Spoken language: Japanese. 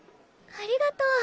ありがとう。